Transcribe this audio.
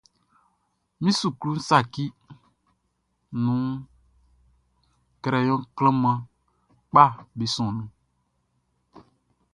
Min suklu saciʼn nunʼn, crayon klanman kpaʼm be sɔnnin.